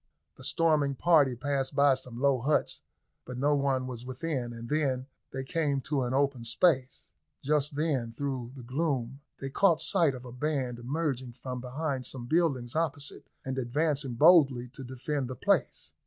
The storming party passed by some low huts, but no one was within, and then they came to an open space. Just then, through the gloom, they caught sight of a band emerging from behind some buildings opposite, and advancing boldly to defend the place.